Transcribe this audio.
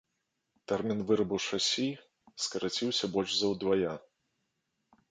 Тэрмін вырабу шасі скараціўся больш за ўдвая.